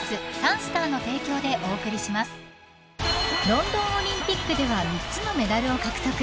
［ロンドンオリンピックでは３つのメダルを獲得］